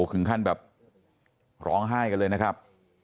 ถึงขั้นแบบร้องไห้กันเลยนะครับ